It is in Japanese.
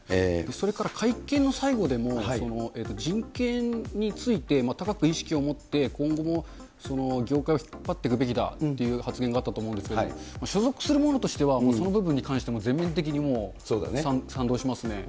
それから会見の最後でも、人権について高く意識を持って、今後も業界を引っ張っていくべきだという発言があったと思うんですけど、所属する者としては、その部分に関して、全面的にもう賛同しますね。